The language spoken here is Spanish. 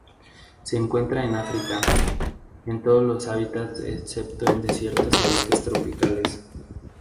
Se encuentra en África, en todos los hábitats excepto en desiertos y bosques tropicales.